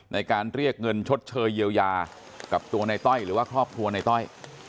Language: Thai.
ในการเรียกเงินชดเชยเยียวยากับตัวในต้อยหรือว่าครอบครัวในต้อย